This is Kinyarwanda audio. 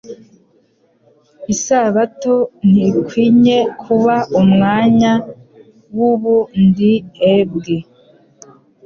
Isabato ntikwinye kuba umwanya w'ubundiebwe.